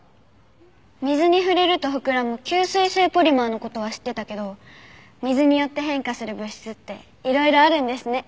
水に触れると膨らむ吸水性ポリマーの事は知ってたけど水によって変化する物質っていろいろあるんですね。